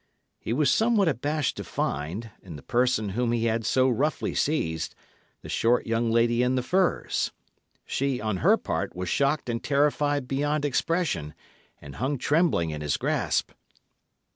He was somewhat abashed to find, in the person whom he had so roughly seized, the short young lady in the furs. She, on her part, was shocked and terrified beyond expression, and hung trembling in his grasp.